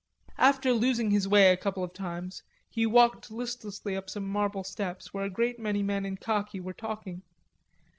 After losing his way a couple of times, he walked listlessly up some marble steps where a great many men in khaki were talking.